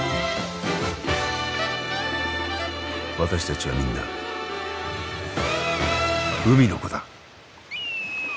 私たちはみんな海の子だ。